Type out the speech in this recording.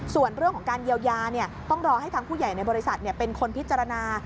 ส่วนเรื่องของการเยียวยาต้องรอให้ทางผู้ใหญ่ในบริษัทเป็นคนพิจารณา